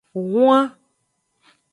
Hwan.